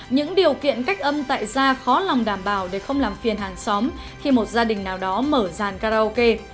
những điều kiện cách âm tại ra khó lòng đảm bảo để không làm phiền hàng xóm khi một gia đình nào đó mở ràn karaoke